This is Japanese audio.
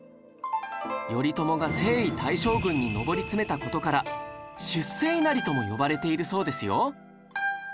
頼朝が征夷大将軍に上り詰めた事から「出世稲荷」とも呼ばれているそうですよ